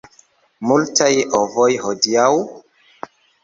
Multaj ovoj hodiaŭ?